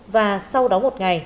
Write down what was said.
và sau đó một ngày